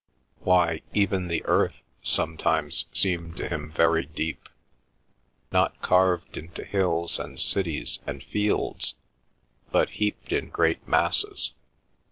Why, even the earth sometimes seemed to him very deep; not carved into hills and cities and fields, but heaped in great masses.